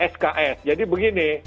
sks jadi begini